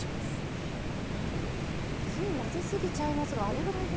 つい混ぜ過ぎちゃいますがあれぐらいで。